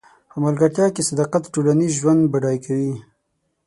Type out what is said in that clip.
په ملګرتیا کې صداقت ټولنیز ژوند بډای کوي.